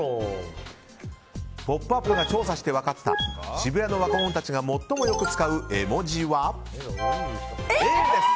「ポップＵＰ！」が調査して分かった渋谷の若者たちが最もよく使う絵文字はＡです！